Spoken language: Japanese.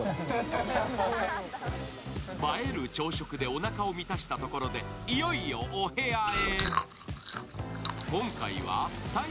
映える朝食でおなかを満たしたところでいよいよお部屋へ。